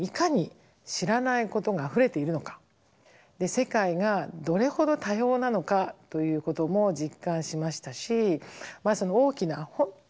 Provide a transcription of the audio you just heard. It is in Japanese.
世界がどれほど多様なのかということも実感しましたしまあその大きな本当にいろんな考え方